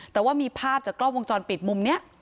แต่ว่ามีภาพจากกล้องวงจรปิดมุมนี้